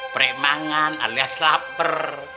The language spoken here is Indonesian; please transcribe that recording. premangan alias lapar